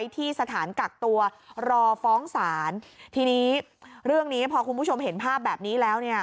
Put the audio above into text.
ที่สถานกักตัวรอฟ้องศาลทีนี้เรื่องนี้พอคุณผู้ชมเห็นภาพแบบนี้แล้วเนี่ย